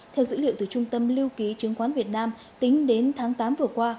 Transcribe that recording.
theo dữ liệu từ trung tâm lưu ký chứng khoán việt nam tính đến tháng tám vừa qua